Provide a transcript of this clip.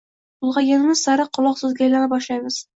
Ulg‘ayganimiz sari “quloqsiz”ga aylana boshlaymiz.